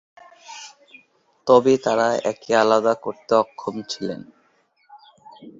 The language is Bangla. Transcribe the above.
তবে তারা একে আলাদা করতে অক্ষম ছিলেন।